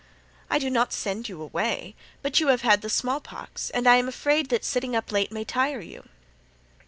"I do not send you away, but you have had the small pox and I am afraid that sitting up late may tire you."